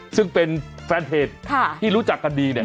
ซึ่งเป็นแฟนเพจที่รู้จักกันดีเนี่ย